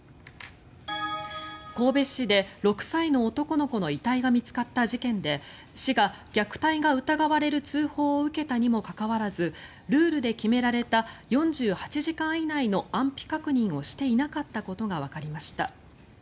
神戸市で６歳の男の子の遺体が見つかった事件で市が、虐待が疑われる通報を受けたにもかかわらずルールで決められた４８時間以内の安否確認をしていなかったことがわかりました。